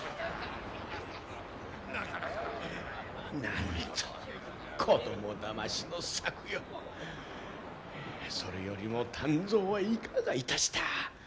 ・なんと子供だましの策よ。それよりも湛増はいかがいたした？